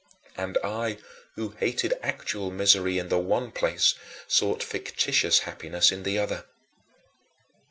And I who hated actual misery in the one place sought fictitious happiness in the other.